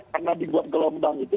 karena dibuat gelombang itu